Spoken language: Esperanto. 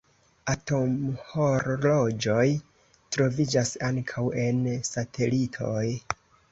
Atomhorloĝoj troviĝas ankaŭ en satelitoj.